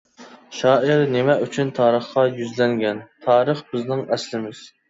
شائىر نېمە ئۈچۈن تارىخقا يۈزلەنگەن؟ تارىخ بىزنىڭ ئەسلىمىز!